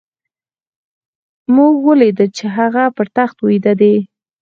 موږ وليدل چې هغه پر تخت ويده دی.